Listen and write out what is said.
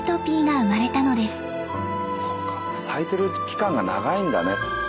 そっか咲いてる期間が長いんだね。